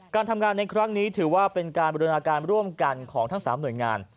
การทำงานในครั้งนี้ถือว่าเป็นการบรินาการร่วมกันของทั้ง๓หน่วยงาน